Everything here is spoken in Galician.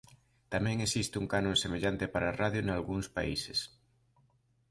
Tamén existe un canon semellante para a radio nalgúns países.